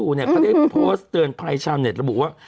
เขาได้โพสต์เตือนภัยชาวเน็ตระบุว่า